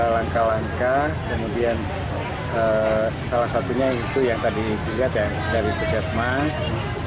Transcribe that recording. langkah langkah kemudian salah satunya itu yang tadi dilihat ya dari puskesmas